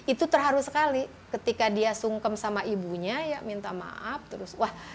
itu terharu sekali ketika dia sungkem sama ibunya ya minta maaf terus wah